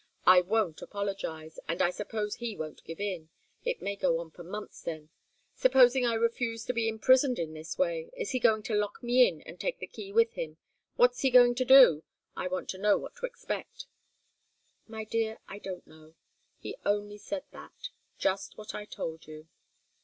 I won't apologize, and I suppose he won't give in. It may go on for months, then. Supposing I refuse to be imprisoned in this way, is he going to lock me in and take the key with him? What's he going to do? I want to know what to expect." "My dear, I don't know he only said that. Just what I told you."